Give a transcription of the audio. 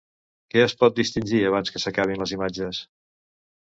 Què es pot distingir abans que s'acabin les imatges?